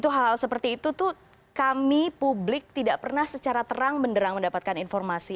hal hal seperti itu tuh kami publik tidak pernah secara terang benderang mendapatkan informasi